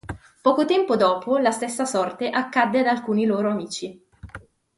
Poco tempo dopo la stessa sorte accade ad alcuni loro amici.